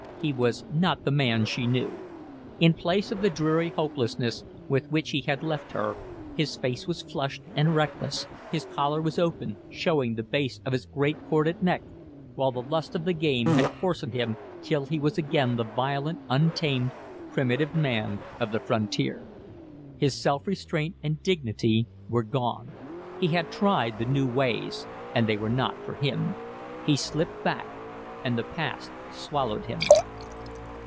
He was not the man she knew. In place of the dreary hopelessness with which he had left her, his face was flushed and reckless, his collar was open, showing the base of his great, corded neck, while the lust of the game had coarsened him till he was again the violent, untamed, primitive man of the frontier. His self restraint and dignity were gone. He had tried the new ways, and they were not for him. He slipped back, and the past swallowed him.